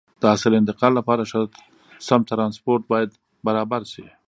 د حاصل انتقال لپاره سم ترانسپورت باید برابر شي.